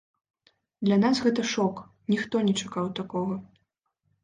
Для нас гэта шок, ніхто не чакаў такога.